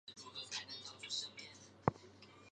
只有中间一段适合高解析通道。